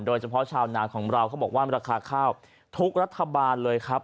โดยเฉพาะชาวนาของเราเขาบอกว่าราคาข้าวทุกรัฐบาลเลยครับ